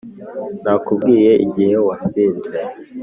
nakubwiye igihe wansize